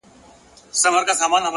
وخت د ضایع شوو فرصتونو شاهد وي.!